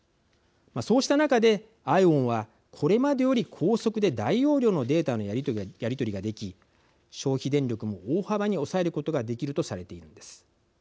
そうした中で、ＩＯＷＮはこれまでより高速で大容量のデータのやり取りができ消費電力も大幅に抑えることができるとされているんです。